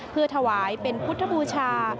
เพื่อถวายเป็นพุทธบูชา